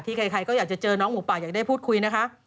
ใครก็อยากจะเจอน้องหมูป่าอยากได้พูดคุยนะคะ